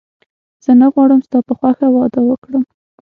زه نه غواړم ستا په خوښه واده وکړم